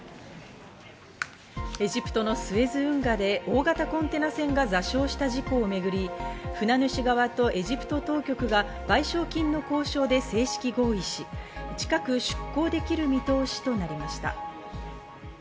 エジプトのスエズ運河で大型コンテナ船が座礁した事故をめぐり、船主側とエジプト当局が賠償金の交渉で正式合意し、近く出航できる見通しとなりました。